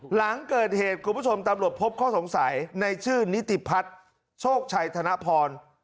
หลังเกิดเหตุคุณผู้ชมตำรวจพบข้อสงสัยในชื่อนิติพัฒน์โชคชัยธนพร